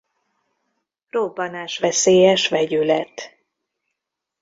Robbanásveszélyes vegyület.